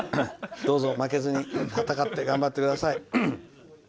どうぞ負けずに戦って頑張ってください。